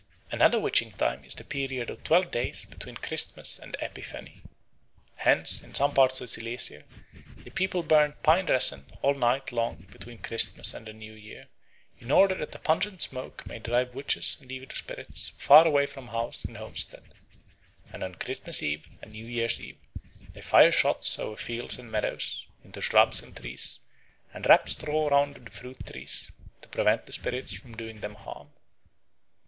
Another witching time is the period of twelve days between Christmas and Epiphany. Hence in some parts of Silesia the people burn pine resin all night long between Christmas and the New Year in order that the pungent smoke may drive witches and evil spirits far away from house and homestead; and on Christmas Eve and New Year's Eve they fire shots over fields and meadows, into shrubs and trees, and wrap straw round the fruit trees, to prevent the spirits from doing them harm.